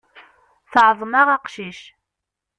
Teεḍem-aɣ aqcic.